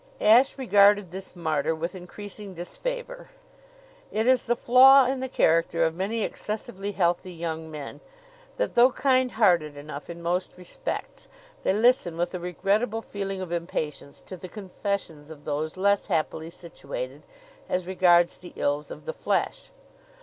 Ashe regarded this martyr with increasing disfavor. It is the flaw in the character of many excessively healthy young men that, though kind hearted enough in most respects, they listen with a regrettable feeling of impatience to the confessions of those less happily situated as regards the ills of the flesh.